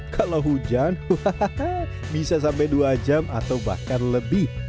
kalau hujan bisa sampai dua jam atau bahkan lebih